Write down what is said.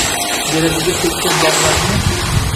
derazaga tekkan dogʼlarni